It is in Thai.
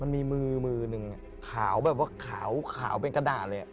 มือมือหนึ่งขาวแบบว่าขาวเป็นกระดาษเลย